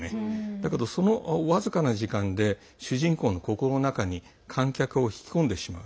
だけど、その僅かな時間で主人公の心の中に観客を引き込んでしまう。